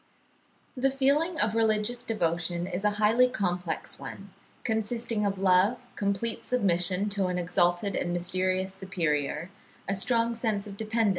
The feeling of religious devotion is a highly complex one, consisting of love, complete submission to an exalted and mysterious superior, a strong sense of dependence (77.